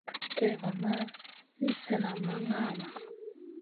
Kay va ma li slèhna ma ŋahna.